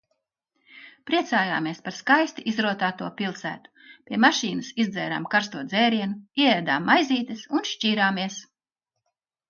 Priecājāmies par skaisti izrotāto pilsētu. Pie mašīnas izdzērām karsto dzērienu, ieēdām maizītes un šķīrāmies.